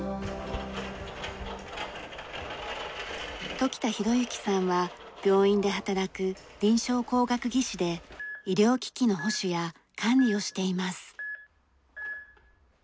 時田裕之さんは病院で働く臨床工学技士で医療機器の保守や管理をしています。